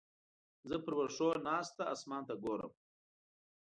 زه پر وښو ناسته اسمان ته ګورم.